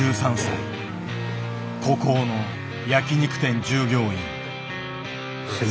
孤高の焼き肉店従業員。